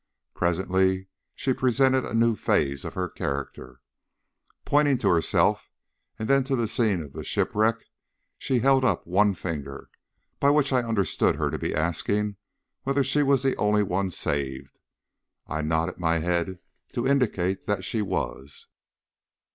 Presently she presented a new phase of her character. Pointing to herself and then to the scene of the shipwreck, she held up one finger, by which I understood her to be asking whether she was the only one saved. I nodded my head to indicate that she was.